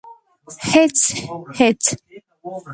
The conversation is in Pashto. _هېڅ ، هېڅ.